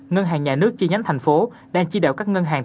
ngân hàng nhà nước chi nhánh thành phố đang chỉ đạo các ngân hàng